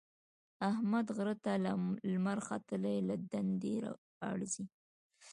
احمد غره ته لمر ختلی له دندې ارځي.